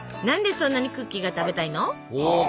何でそんなにクッキーが食べたいの？